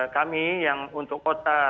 kami yang untuk kota